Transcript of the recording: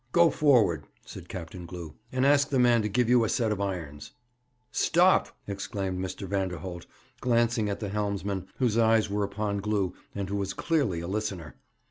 'Go forward,' said Captain Glew, 'and ask the man to give you a set of irons.' 'Stop!' exclaimed Mr. Vanderholt, glancing at the helmsman, whose eyes were upon Glew, and who was clearly a listener.